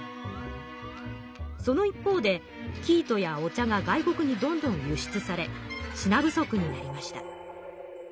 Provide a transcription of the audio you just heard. その一方で生糸やお茶が外国にどんどん輸出され品不足になりました。